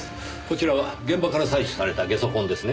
こちらは現場から採取された下足痕ですね？